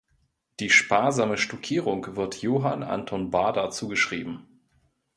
Die sparsame Stuckierung wird Johann Anton Bader zugeschrieben.